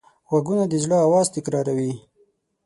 غوږونه د زړه آواز تکراروي